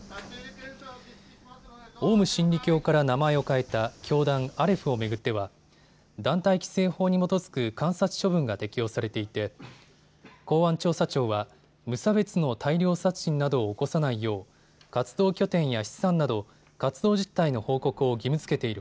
オウム真理教から名前を変えた教団、アレフを巡っては団体規制法に基づく観察処分が適用されていて公安調査庁は無差別の大量殺人などを起こさないよう活動拠点や資産など活動実態の報告を義務づけている